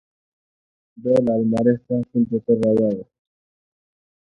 ده له المارۍ څخه سپين ټوکر واخېست.